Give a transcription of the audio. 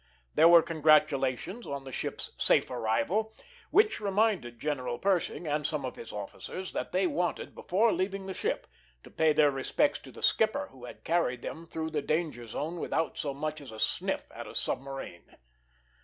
There were congratulations on the ship's safe arrival, which reminded General Pershing and some of his officers that they wanted, before leaving the ship, to pay their respects to the skipper who had carried them through the danger zone without so much as a sniff at a submarine.